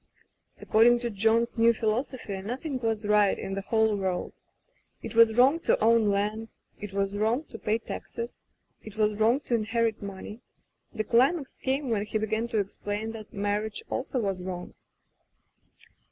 According to John's new philosophy noth ing was right in the whole worid. It was wrong to own land, it was wrong to pay taxes, it was wrong to inherit money. The climax came when he began to explain that marriage also was wrong.